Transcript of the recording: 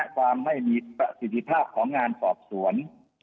ความไม่มีประสิทธิภาพของงานสอบสวน